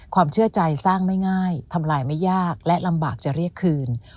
ความเชื่อใจสร้างไม่ง่ายทำลายไม่ยากและลำบากจะเรียกคืน